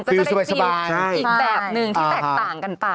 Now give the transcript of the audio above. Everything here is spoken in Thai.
ก็จะได้มีอีกแบบหนึ่งที่แตกต่างกันต่าง